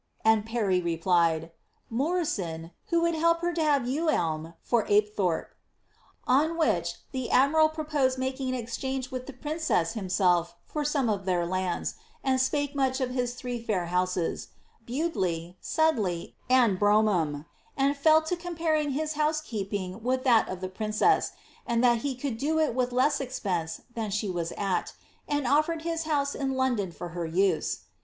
and Parry replied, ^ Morisyn, who would help her to liave > Haynet' State Papers. * Ibid. ' Ibid. VOL. r/. — S 96 BLIZABSTH. Ewelm for Apethorpe.^ On which the admiral proposed making an exchange with the princess himself for some of their lands, and spake much of his three fair houses, Bewdley, Sudeley, and Bromeharo, and fell to comiwring his housekeeping with that of the princess,' and that he could do it with less expense than she was at, and oflered his house in London for her use.